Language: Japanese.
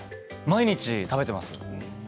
毎日食べています。